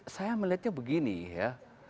saya melihatnya begini ya